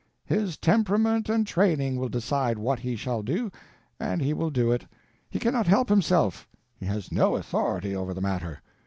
His temperament and training will decide what he shall do, and he will do it; he cannot help himself, he has no authority over the matter.